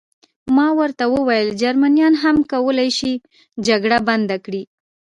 ما ورته وویل: جرمنیان هم کولای شي جګړه بنده کړي.